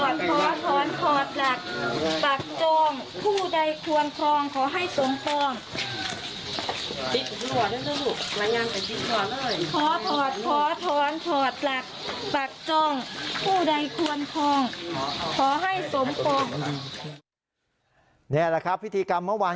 นี่แหละครับพิธีกรรมเมื่อวาน